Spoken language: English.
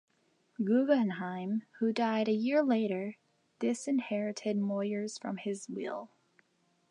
Guggenheim, who died a year later, disinherited Moyers from his will.